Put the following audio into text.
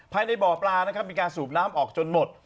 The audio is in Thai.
ภายในบ่อปลานะครับมีการสูบน้ำออกจนหมด